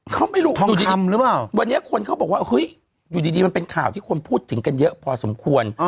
เขาไม่รู้ทองหรือเปล่าวันนี้คนเขาบอกว่าเฮ้ยอยู่ดีมันเป็นข่าวที่คนพูดถึงกันเยอะพอสมควร